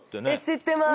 知ってます。